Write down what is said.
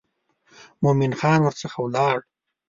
مومن خان ورڅخه ولاړ.